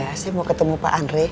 saya mau ketemu pak andre